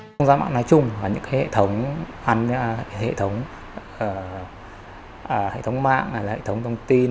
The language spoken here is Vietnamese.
không gian mạng nói chung những hệ thống mạng hệ thống thông tin